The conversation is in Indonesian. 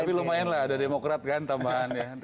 tapi lumayan lah ada demokrat kan tambahan ya